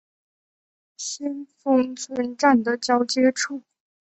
先锋村站的交界处。